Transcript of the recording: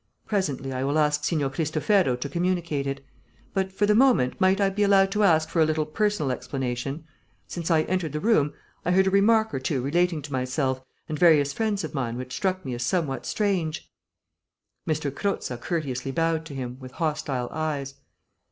Presently I will ask Signor Cristofero to communicate it. But for the moment might I be allowed to ask for a little personal explanation? Since I entered the room I heard a remark or two relating to myself and various friends of mine which struck me as somewhat strange...." M. Croza courteously bowed to him, with hostile eyes.